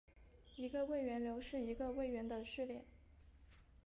一个位元流是一个位元的序列。